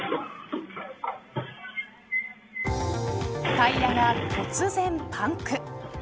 タイヤが突然パンク。